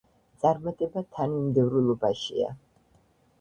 წარმატება თანმიმდევრულობაშია.